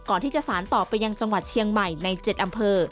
สารต่อไปยังจังหวัดเชียงใหม่ใน๗อำเภอ